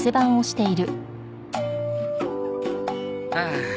ああ。